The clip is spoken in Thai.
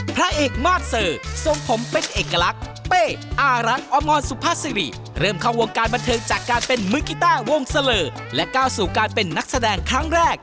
โปรดติดตามตอนต่อไป